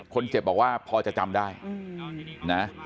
คนเจ็บบอกว่าพอจะจำได้นะ